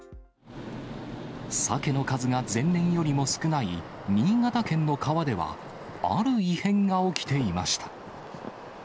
サケの数が前年よりも少ない新潟県の川では、ある異変が起きていました。